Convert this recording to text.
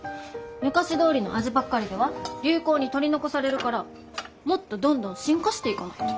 昔どおりの味ばっかりでは流行に取り残されるからもっとどんどん進化していかないと。